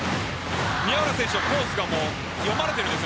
宮浦選手のコースが読まれているんです。